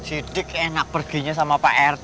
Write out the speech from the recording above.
si dik enak perginya sama pak rt